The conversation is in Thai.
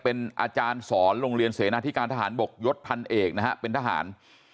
เป็นอาจารย์สอนโรงเรียนเสนาธิการทหารบกยศพันเอกนะฮะเป็นทหาร